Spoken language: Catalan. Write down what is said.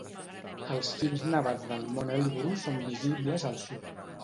Els cims nevats del Mont Elbrus són visibles al sud.